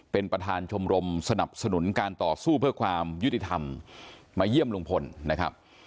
เป็นประธานชมรมสนับสนุนการต่อสู้เพื่อความยุติธรรมมาเยี่ยมลุงพลนะครับ